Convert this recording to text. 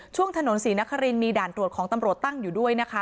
ช่วงถนนศรีนครินมีด่านตรวจของตำรวจตั้งอยู่ด้วยนะคะ